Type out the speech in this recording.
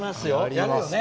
やるよね？